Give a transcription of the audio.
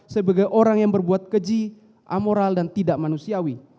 sebagai orang yang berbuat keji amoral dan tidak manusiawi